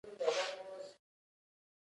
اصول مراعاتول پر تاوتریخوالي برلاسي کیږي.